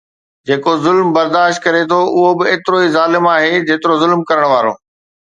جيڪو ظلم برداشت ڪري ٿو اهو به ايترو ظالم آهي جيترو ظلم ڪرڻ وارو